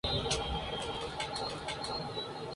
La parte más estrecha del canal es el estrecho de Hoyo.